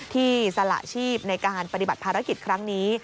สละชีพในการปฏิบัติภารกิจครั้งนี้